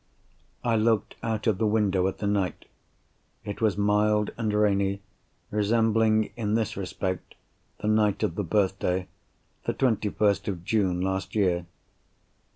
I looked out of the window at the night. It was mild and rainy, resembling, in this respect, the night of the birthday—the twenty first of June, last year.